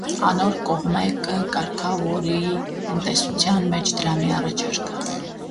Անոր կողմէ կը կարգաւորուի տնտեսութեան մէջ դրամի առաջարկը։